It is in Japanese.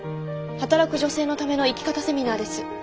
働く女性のための生き方セミナーです。